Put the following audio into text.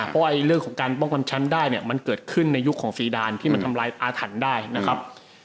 เพราะว่าเรื่องของการป้องกันชั้นได้เนี่ยมันเกิดขึ้นในยุคของซีดานที่มันทำลายอาถรรพ์ได้นะครับ